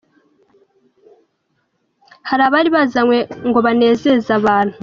Hari abari bazanywe ngo banezeze abantu.